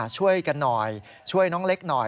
ช่วยกันหน่อยช่วยน้องเล็กหน่อย